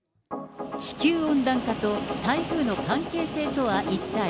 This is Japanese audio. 地球温暖化と台風の関係性とは一体。